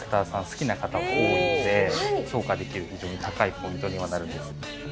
好きな方多いので評価できる非常に高いポイントにはなるんです。